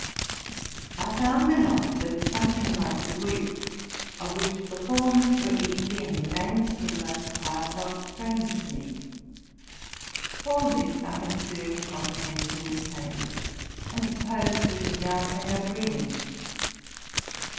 I found an alphabet something like the Greek, of which the forms were easy, and the names, for the most part, not strange to me. All this I had soon comprehended and retained, and sup posed we should now take up reading.